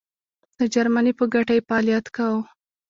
د جرمني په ګټه یې فعالیت کاوه.